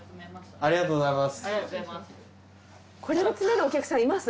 ありがとうございます。